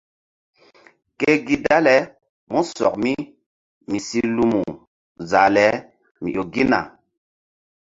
Ke gi dale músɔk mi mi si lumu zah le mi ƴo gina.